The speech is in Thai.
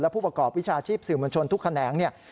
และผู้ประกอบวิชาชีพสื่อมณชนทุกแขนง